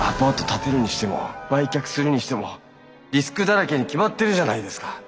建てるにしても売却するにしてもリスクだらけに決まってるじゃないですか。